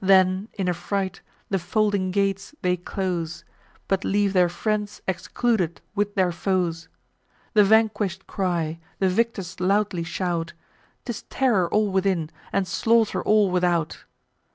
Then, in a fright, the folding gates they close, But leave their friends excluded with their foes. The vanquish'd cry; the victors loudly shout; 'Tis terror all within, and slaughter all without.